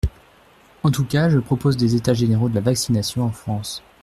En tout cas, je propose des états généraux de la vaccination en France.